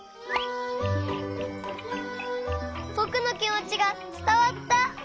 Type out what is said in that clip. ぼくのきもちがつたわった！